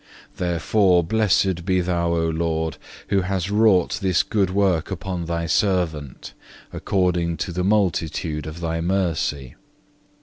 Therefore, blessed be Thou, O Lord, who has wrought this good work upon Thy servant, according to the multitude of Thy mercy.